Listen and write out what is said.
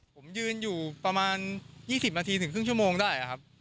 ผมยืนอยู่ประมาณ๒๐นาทีถึงครึ่งชั่วโมงได้ครับ